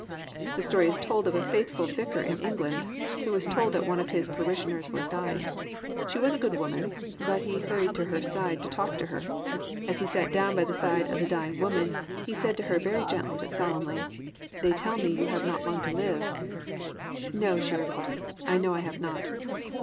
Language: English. The story is told of a faithful vicar in England who was told that one of his parishioners was dying. She was a good woman, but he hurried to her side to talk with her. As he sat down by the side of the dying woman he said to her very gently but solemnly, "They tell me you have not long to live." "No," she replied, "I know I have not."